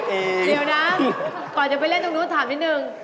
เดี๋ยวนะก่อนจะไปเล่นตรงนู้นถามนิดนึง